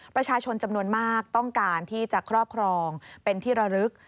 ประชาชนจำนวนมากต้องการที่จะครอบครองเป็นที่ระลึก